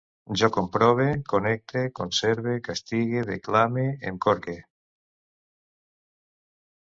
Jo comprove, connecte, conserve, castigue, declame, em corque